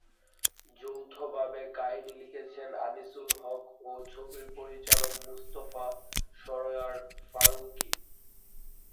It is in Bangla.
যৌথভাবে কাহিনি লিখেছেন আনিসুল হক ও ছবির পরিচালক মোস্তফা সরয়ার ফারুকী।